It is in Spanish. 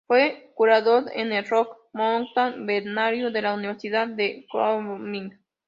Fue curador en el "Rocky Mountain Herbarium" de la Universidad de Wyoming